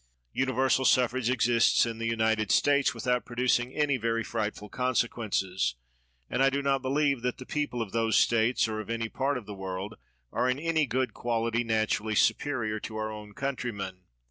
Universal suffrage exists in the United States without producing any very frightful conse quences ; and I do not believe that the people oJ those States, or of any part of the world, are ir any good quality naturally superior to our owr countrymen.